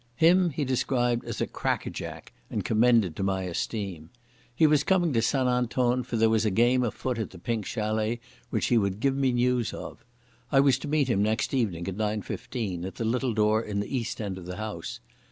Him he described as a "crackerjack" and commended to my esteem. He was coming to St Anton, for there was a game afoot at the Pink Chalet, which he would give me news of. I was to meet him next evening at nine fifteen at the little door in the east end of the house.